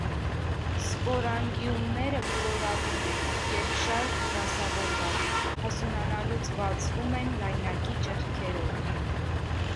Սպորանգիումները կլորավուն են, երկշարք դասավորված, հասունանալուց բացվում են լայնակի ճեղքերով։